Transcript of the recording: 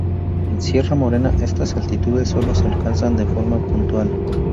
En Sierra Morena, estas altitudes sólo se alcanzan de forma puntual.